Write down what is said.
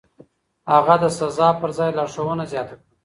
هغه د سزا پر ځای لارښوونه زياته کړه.